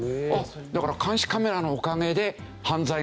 だから「監視カメラのおかげで犯罪が減ってるね」